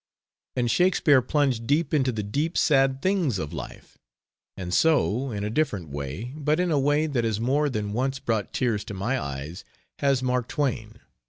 And Shakespeare plunged deep into the deep, sad things of life; and so, in a different way (but in a way that has more than once brought tears to my eyes) has Mark Twain.